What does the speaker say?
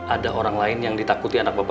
ada orang lain yang ditakuti anak bapak